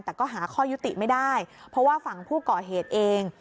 แต่ก็หาข้อยุติไม่ได้เพราะว่าฝั่งผู้ก่อเหตุเอง